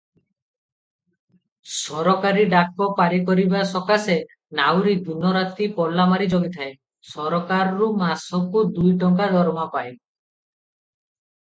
ସରକାରୀ ଡାକ ପାରିକରିବା ସକାଶେ ନାଉରୀ ଦିନରାତି ପଲାମାରି ଜଗିଥାଏ, ସରକାରରୁ ମାସକୁ ଦୁଇଟଙ୍କା ଦରମା ପାଏ ।